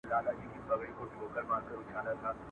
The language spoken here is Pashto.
پرزولي یې شاهان او راجاګان وه.